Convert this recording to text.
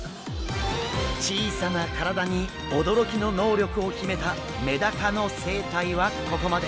小さな体に驚きの能力を秘めたメダカの生態はここまで。